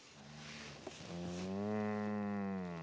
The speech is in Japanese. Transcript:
うん。